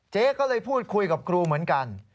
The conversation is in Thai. เจ๊ก็เลยพูดคุยกับครูเหมือนกัน